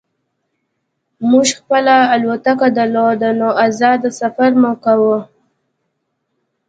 موږ خپله الوتکه درلوده نو ازاد سفر مو کاوه